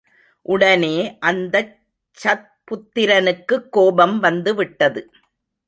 உடனே அந்தச் சத்புத்திரனுக்குக் கோபம் வந்து விட்டது.